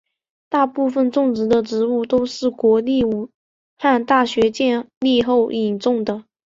大部分种类的植物都是国立武汉大学建立后引种的。